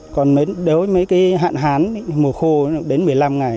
còn đối với cái hạn hán mùa khô đến một mươi năm ngày